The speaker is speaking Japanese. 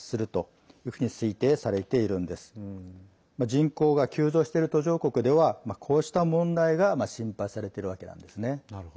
人口が急増している途上国ではこうした問題が心配されているわけなんですね。